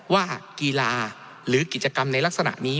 ว่ากีฬาหรือกิจกรรมในลักษณะนี้